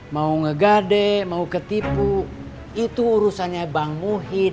mau ngegade mau ketipu itu urusannya bang muhid